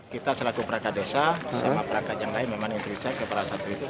kita selaku perangkat desa sama perangkat yang lain memang intricyc kepada satu itu